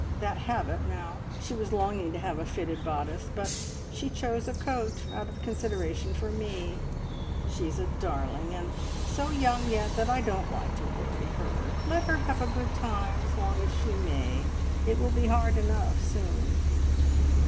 That habit, now! She was longing to have a fitted bodice, but she chose a coat, out of consideration for me. She is a darling, and so young yet that I don't like to worry her. Let her have a good time as long as she may. It will be hard enough soon."